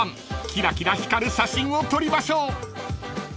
［キラキラ光る写真を撮りましょう］